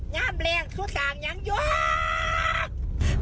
ย่ำแรงชู้ต่างยังย็อค